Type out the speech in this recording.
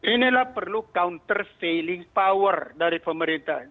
inilah perlu counter failing power dari pemerintah